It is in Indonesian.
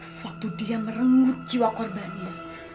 sewaktu dia merenggut jiwa korbannya